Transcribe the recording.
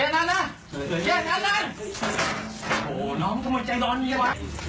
เฮ้ยพอแล้ว